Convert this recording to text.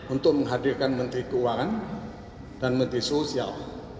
untuk menghadirkan menteri keuangan dan menteri sosial